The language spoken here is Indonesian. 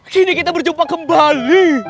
kini kita berjumpa kembali